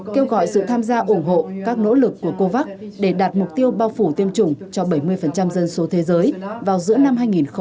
kêu gọi sự tham gia ủng hộ các nỗ lực của covax để đạt mục tiêu bao phủ tiêm chủng cho bảy mươi dân số thế giới vào giữa năm hai nghìn hai mươi